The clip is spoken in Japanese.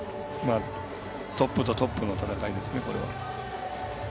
トップとトップの戦いですねこれは。